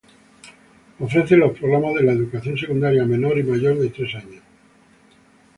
Ofrece los programas de la educación secundaria menor y mayor de tres años.